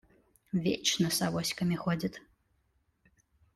Вечно с авоськами ходит.